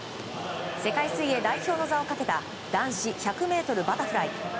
世界水泳代表の座をかけた男子１００ｍバタフライ。